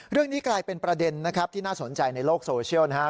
เรื่องนี้กลายเป็นประเด็นนะครับที่น่าสนใจในโลกโซเชียลนะครับ